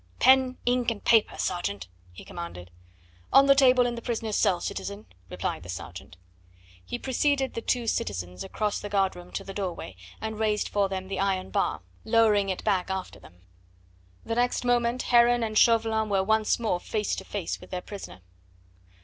"Pen, ink and paper, sergeant!" he commanded. "On the table, in the prisoner's cell, citizen," replied the sergeant. He preceded the two citizens across the guard room to the doorway, and raised for them the iron bar, lowering it back after them. The next moment Heron and Chauvelin were once more face to face with their prisoner.